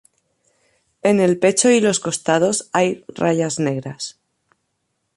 En el pecho y los costados hay rayas negras.